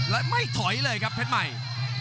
และไม่ถอยเลยครับเพชรใหม่